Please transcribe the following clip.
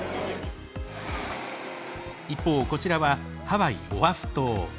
一方、こちらはハワイ・オアフ島。